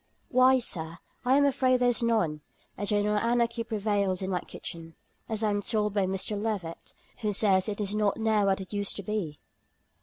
"Why, Sir, I am afraid there is none; a general anarchy prevails in my kitchen, as I am told by Mr. Levett, who says it is not now what it used to be."